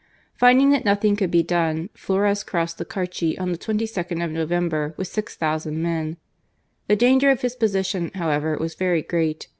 Finding that nothing could be done, Flores crossed the Carchi on the 22nd of November with six thousand men. The danger of his position, however, was very great.